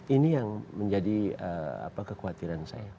ini yang menjadi kekhawatiran saya